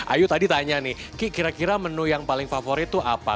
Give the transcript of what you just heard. ayu tadi tanya nih ki kira kira menu yang paling favorit tuh apa